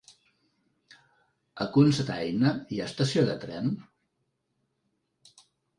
A Cocentaina hi ha estació de tren?